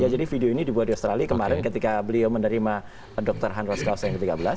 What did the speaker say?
ya jadi video ini dibuat di australia kemarin ketika beliau menerima dr handra skos yang ke tiga belas